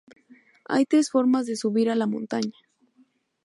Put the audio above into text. Hay tres formas de subir a la montaña.